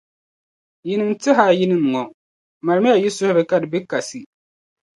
yinim’ tɛhaayiyinim’ ŋɔ, malimiya yi suhuri ka di be kasi.